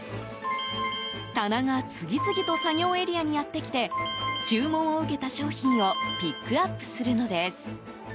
棚が次々と作業エリアにやってきて注文を受けた商品をピックアップするのです。